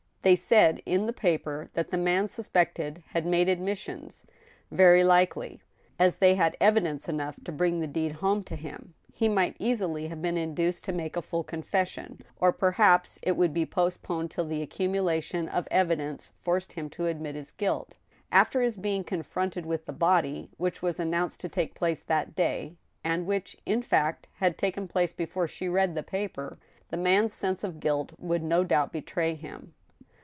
They said in the paper that the man suspected had made ad missions. Very likely. As they had evidence enough to bring the deed home to him, he might easily have been induced to make a full confession ; or perhaps it would be postponed till the accumu lation of evidence forced him to admit his guilt Af tei his being con fronted with the body, which was announced to take place that day (and which, in fact, had taken place before she read the paper), the man's sense of guilt would no doubt betray him.